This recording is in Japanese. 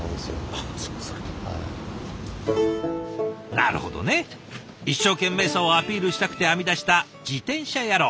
なるほどね一生懸命さをアピールしたくて編み出した自転車野郎。